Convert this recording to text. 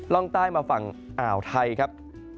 ร่องใต้มาฝั่งอ่าวไทยครับ